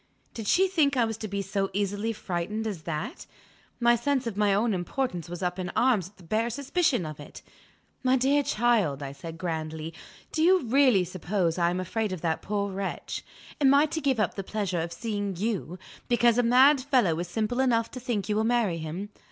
Did she think I was to be so easily frightened as that? My sense of my own importance was up in arms at the bare suspicion of it! "My dear child," I said grandly, "do you really suppose I am afraid of that poor wretch? Am I to give up the pleasure of seeing you, because a mad fellow is simple enough to think you will marry him?